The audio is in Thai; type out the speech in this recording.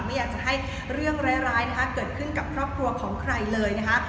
ไม่อยากจะให้เรื่องร้ายนะคะเกิดขึ้นกับครอบครัวของใครเลยนะคะ